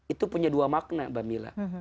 itu punya dua makna mbak mila